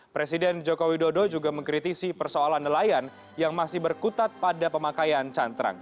presiden joko widodo juga mengkritisi persoalan nelayan yang masih berkutat pada pemakaian cantrang